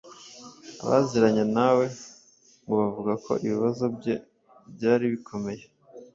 Abaziranye na we ngo bavuga ko ibibazo bye byaribikomeye